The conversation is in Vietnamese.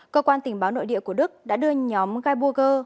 cơ quan tình báo nội địa của đức đã đưa nhóm geiburger